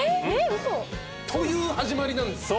ウソ！？という始まりなんですよ。